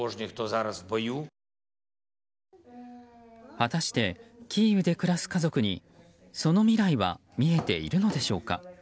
果たしてキーウで暮らす家族にその未来は見えているのでしょうか。